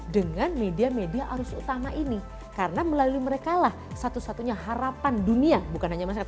dengan media media arus utama ini karena melalui mereka lah satu satunya harapan dunia bukan hanya masyarakat